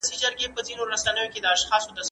زه خپل وطن سره مینه لرم